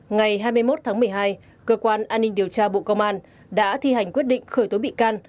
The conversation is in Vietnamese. ngày hai mươi một tháng một mươi hai cơ quan an ninh điều tra bộ công an đã thi hành quyết định khởi tố bị can